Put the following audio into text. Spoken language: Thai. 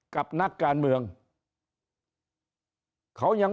กับนักการเมือง